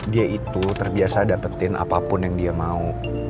dia itu terbiasa dapetin apapun yang dia mau